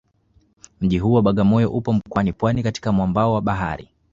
Mji huu wa Bagamoyo upo mkoani Pwani katika mwambao wa bahari